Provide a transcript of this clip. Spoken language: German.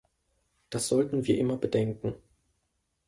Das sollten wir immer bedenken.